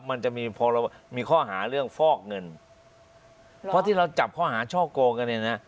มันจะมีพอเรามีข้อหาเรื่องฟอกเงินเพราะที่เราจับข้อหาช่อโกงกันเนี่ยนะ